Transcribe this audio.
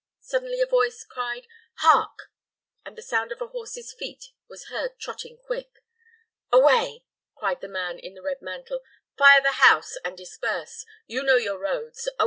Suddenly a voice cried, "Hark!" and the sound of a horse's feet was heard trotting quick. "Away!" cried the man in the red mantle. "Fire the house, and disperse. You know your roads.